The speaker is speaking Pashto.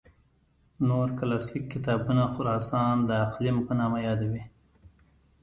نور کلاسیک کتابونه خراسان د اقلیم په نامه یادوي.